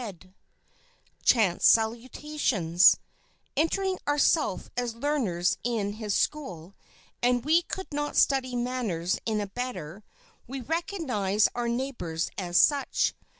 [Sidenote: CHANCE SALUTATIONS] Entering ourselves as learners in his school—and we could not study manners in a better—we recognize our neighbors as such.